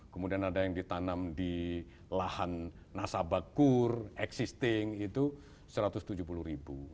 kemudian ada yang ditanam di lahan nasabah kur existing itu satu ratus tujuh puluh ribu